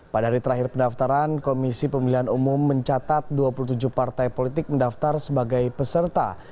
pada hari terakhir pendaftaran komisi pemilihan umum mencatat dua puluh tujuh partai politik mendaftar sebagai peserta